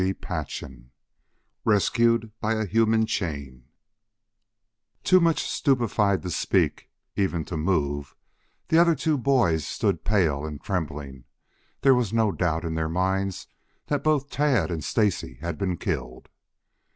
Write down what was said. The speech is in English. CHAPTER V RESCUED BY A HUMAN CHAIN Too much stupefied to speak, even to move, the other two boys stood pale and trembling. There was no doubt in their minds that both Tad and Stacy had been killed.